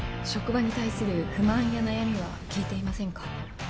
職場に対する不満や悩みは聞いていませんか？